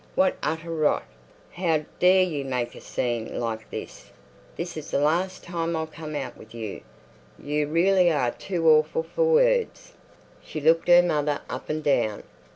"What utter rot! How dare you make a scene like this? This is the last time I'll come out with you. You really are too awful for words." She looked her mother up and down.